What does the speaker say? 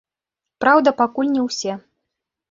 Праўда, пакуль не ўсе.